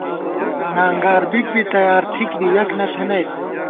نانگار بِک بی ، تیار تِھک بی یَک نہ تھنَئیت